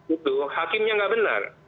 itu hakimnya nggak benar